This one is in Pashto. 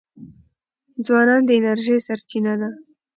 ځوانان د انرژی سرچینه دي.